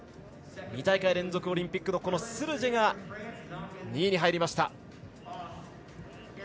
２大会連続オリンピックのスルジェが２位に入りました。